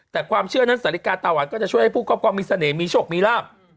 แต่ความเชื่อนั้นสาฬิกาตาหวานก็จะช่วยให้ผู้ครอบครองมีเสน่ห์มีโชคมีลาบ